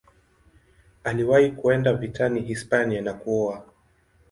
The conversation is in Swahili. Aliwahi kwenda vitani Hispania na kuoa.